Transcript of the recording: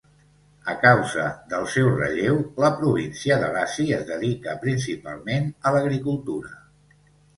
A causa del seu relleu, la província de Iaşi es dedica principalment a l'agricultura.